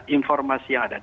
informasi yang ada